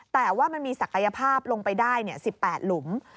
แต่ว่ามันมีศักยภาพลงไปได้๑๘หลุม